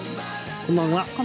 こんばんは。